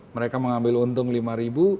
mereka mengambil untung lima ribu